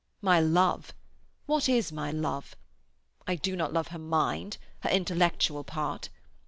My love—what is my love? I do not love her mind, her intellectual part.